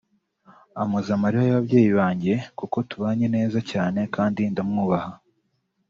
ampoza amarira y’ababyeyi banjye kuko tubanye neza cyane kandi ndamwubaha